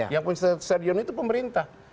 yang punya stadion itu pemerintah